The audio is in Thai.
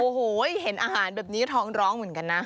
โอ้โหเห็นอาหารแบบนี้ก็ท้องร้องเหมือนกันนะ